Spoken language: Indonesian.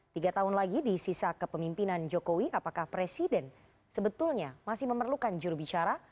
tiga tahun lagi di sisa kepemimpinan jokowi apakah presiden sebetulnya masih memerlukan jurubicara